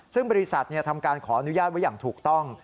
ซึ่งบริษัททำการขออนุญาตไว้อย่างถูกต้อง